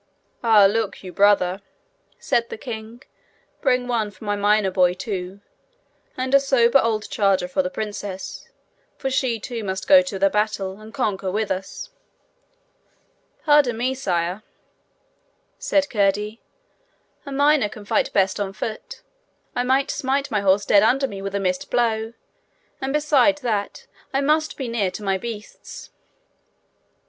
'And look you, brother!' said the king; 'bring one for my miner boy too, and a sober old charger for the princess, for she too must go to the battle, and conquer with us.' 'Pardon me, sire,' said Curdie; 'a miner can fight best on foot. I might smite my horse dead under me with a missed blow. And besides that, I must be near to my beasts.'